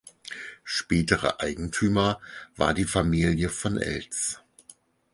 Späterer Eigentümer war die Familie von Eltz.